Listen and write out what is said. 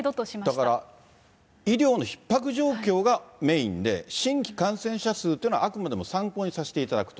だから、医療のひっ迫状況がメインで、新規感染者数というのは、あくまでも参考にさせていただくと。